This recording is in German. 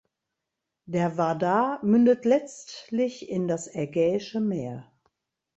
Der Vardar mündet letztlich in das Ägäische Meer.